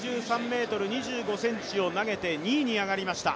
６３ｍ２５ｃｍを投げて２位に上がりました。